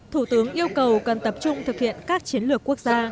thủ tướng yêu cầu cần tập trung thực hiện các chiến lược quốc gia